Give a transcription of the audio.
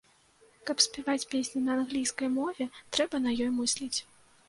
Каб спяваць песні на англійскай мове, трэба на ёй мысліць.